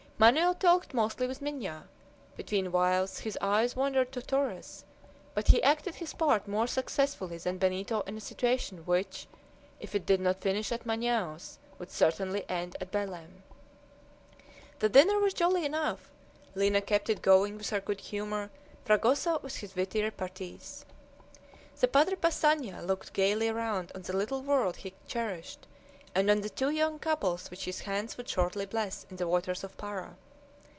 Manoel talked mostly with Minha. Between whiles his eyes wandered to Torres, but he acted his part more successfully than Benito in a situation which, if it did not finish at Manaos, would certainly end at Belem. The dinner was jolly enough. Lina kept it going with her good humor, Fragoso with his witty repartees. The Padre Passanha looked gayly round on the little world he cherished, and on the two young couples which his hands would shortly bless in the waters of Para.